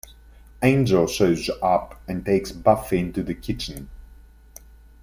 Angel shows up and takes Buffy into the kitchen.